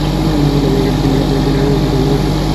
তিনি সব বিদ্রোহ দমনে সফল হন।